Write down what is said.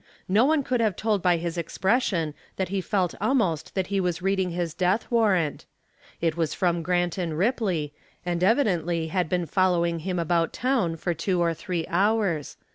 No one could have told by his expression that he felt almost that he was reading his death warrant. It was from Grant & Ripley and evidently had been following him about town for two or three hours.